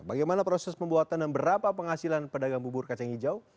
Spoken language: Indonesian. bagaimana proses pembuatan dan berapa penghasilan pedagang bubur kacang hijau